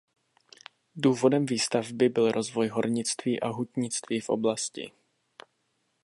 Důvodem výstavby byl rozvoj hornictví a hutnictví v oblasti.